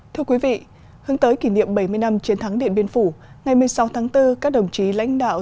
thưa quý vị hướng tới kỷ niệm bảy mươi năm chiến thắng điện biên phủ ngày một mươi sáu tháng bốn các đồng chí lãnh đạo